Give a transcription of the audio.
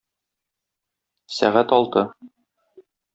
Сәгать алты.